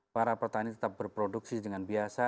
para petani tetap berproduksi dengan biasa